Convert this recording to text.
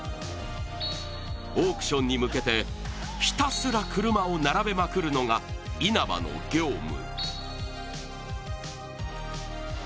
オークションに向けて、ひたすら車を並べまくるのが稲葉の業務。